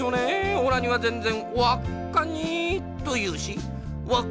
おらにはぜんぜんわっカンニー」というしわっ